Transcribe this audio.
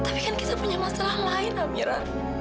tapi kan kita punya masalah lain amira